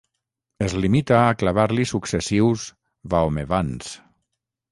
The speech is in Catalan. Es limita a clavar-li successius vahomevans.